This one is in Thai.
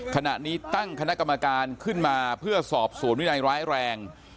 ขณะนี้ตั้งคณะกรรมการขึ้นมาเพื่อสอบสวนวินัยร้ายแรง